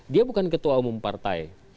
dia bukan ketua umum partai